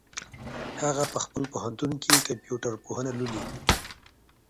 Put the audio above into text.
هغه په خپل پوهنتون کي کمپيوټر پوهنه لولي.